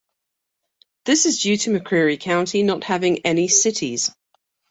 This is due to McCreary County not having any cities.